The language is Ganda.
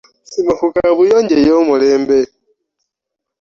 Sima ku kaabuyonjo ey'omulembe.